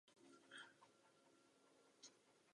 Od konce padesátých let se úspěšně zúčastnil několika výstav.